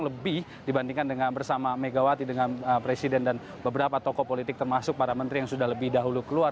lebih dibandingkan dengan bersama megawati dengan presiden dan beberapa tokoh politik termasuk para menteri yang sudah lebih dahulu keluar